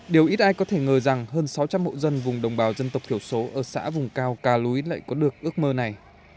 điều ít ai có thể ngờ rằng hơn sáu trăm linh mộ dân vùng đồng bào dân tộc thiểu số ở xã vùng cao ca lối lại có được ước mơ này